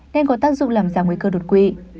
nên có tác dụng làm giảm nguy cơ đột quỵ